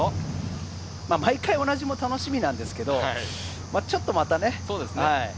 毎回同じも楽しみなんですけれど、ちょっと、またね。